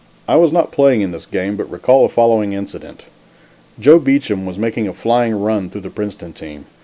I was not playing in this game, but recall the following incident. Joe Beacham was making a flying run through the Princeton team.